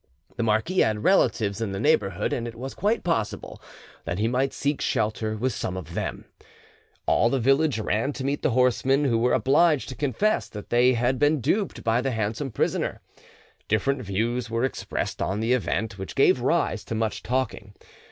The marquis had relatives in the neighbourhood, and it was quite possible that he might seek shelter with some of them. All the village ran to meet the horsemen, who were obliged to confess that they had been duped by the handsome prisoner. Different views were expressed on the event, which gave rise to much talking.